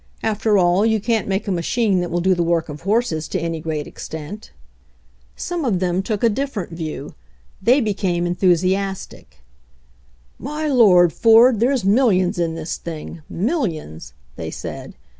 After all, you can't make a machine that will do the work of horses to any great extent." 94 HENRY FORD'S OWN STORY Some of them took a different view. They became enthusiastic. "My Lord, Ford, there's millions in this thing. Millions !" they said.